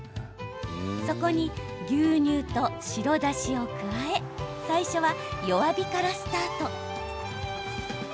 そこに牛乳と白だしを加え最初は弱火からスタート。